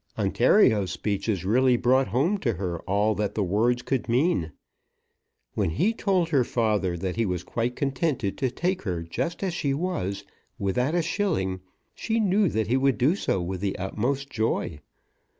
Ontario's speeches really brought home to her all that the words could mean. When he told her father that he was quite contented to take her just as she was, without a shilling, she knew that he would do so with the utmost joy.